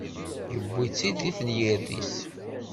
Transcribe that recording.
Iwwi-tt-id di tenyirt-is.